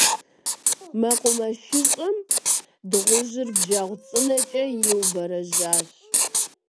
Мэкъумэшыщӏэм дыгъужьыр бжэгъу цӏынэкӏэ иубэрэжьащ.